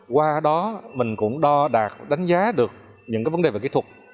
qua đó mình cũng đo đạt đánh giá được những vấn đề về kỹ thuật